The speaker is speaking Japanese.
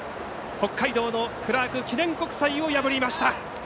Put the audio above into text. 北海道のクラーク記念国際を破りました。